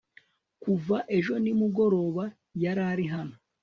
kuva ejo nimugoroba yarari hano